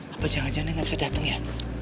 apa jangan jangan dia gak bisa datang ya